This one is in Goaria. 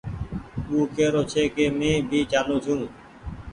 او ڪيرو ڇي ڪي مينٚ بي چآلون ڇو